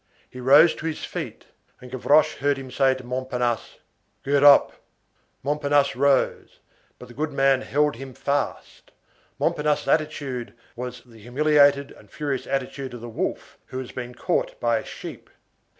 He rose to his feet, and Gavroche heard him say to Montparnasse:— "Get up." Montparnasse rose, but the goodman held him fast. Montparnasse's attitude was the humiliated and furious attitude of the wolf who has been caught by a sheep.